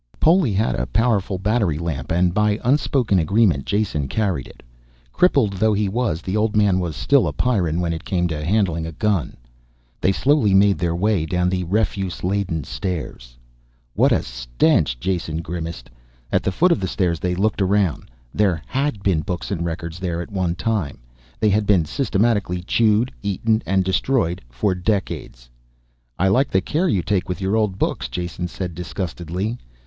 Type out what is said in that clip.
Poli had a powerful battery lamp and, by unspoken agreement, Jason carried it. Crippled though he was, the old man was still a Pyrran when it came to handling a gun. They slowly made their way down the refuse laden stairs. "What a stench," Jason grimaced. At the foot of the stairs they looked around. There had been books and records there at one time. They had been systematically chewed, eaten and destroyed for decades. "I like the care you take with your old books," Jason said disgustedly.